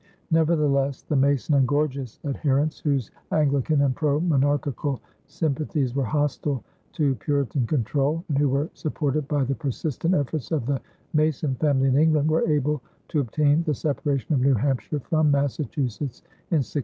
Nevertheless the Mason and Gorges adherents whose Anglican and pro monarchical sympathies were hostile to Puritan control and who were supported by the persistent efforts of the Mason family in England were able to obtain the separation of New Hampshire from Massachusetts in 1678.